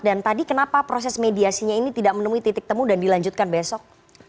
dan tadi kenapa proses mediasinya ini tidak menemui titik temu dan dilanjutkan besok